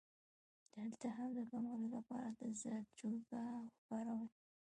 د التهاب د کمولو لپاره زردچوبه وکاروئ